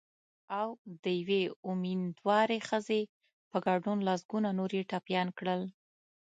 او د یوې امېندوارې ښځې په ګډون لسګونه نور یې ټپیان کړل